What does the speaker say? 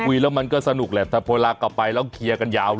อุ๊ยแล้วมันก็สนุกแหละถ้าโพรากลับไปเราเคลียร์กันยาวเลย